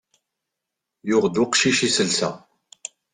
Yuɣ-d uqcic iselsa.